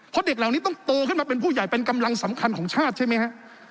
เพราะเด็กเหล่านี้ต้องโตขึ้นมาเป็นผู้ใหญ่เป็นกำลังสำคัญของชาติใช่ไหมฮะ